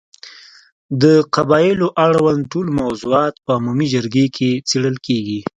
د قبایلو اړوند ټول موضوعات په عمومي جرګې کې څېړل کېږي.